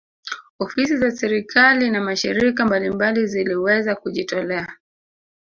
Ofisi za serikali na mashirika mbalimbali ziliweza kujitolea